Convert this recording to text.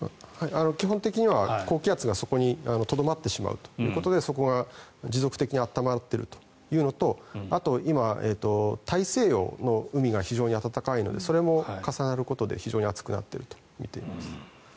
基本的には高気圧がそこにとどまってしまうということでそこが持続的に暖まっているというのとあと今、大西洋の海が非常に暖かいのでそれも重なることで非常に暑くなっているとみています。